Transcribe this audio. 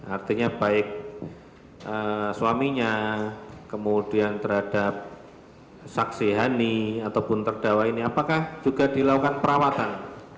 artinya baik suaminya kemudian terhadap saksi hani ataupun terdakwa ini apakah juga dilakukan perawatan